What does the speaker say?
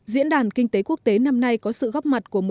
diễn đàn kinh tế quốc tế năm nay có thể tham gia một cuộc tập trận của nato